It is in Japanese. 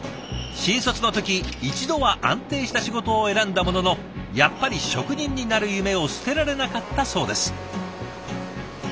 新卒の時一度は安定した仕事を選んだもののやっぱり職人になる夢を捨てられなかったそうです。